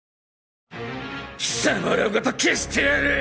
貴様らごと消してやる！